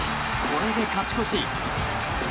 これで勝ち越し。